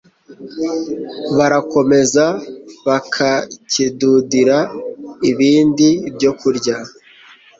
Barakomeza bakakidudira ibindi byokurya